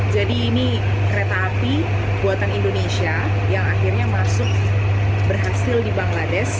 jadi ini kereta api buatan indonesia yang akhirnya masuk berhasil di bangladesh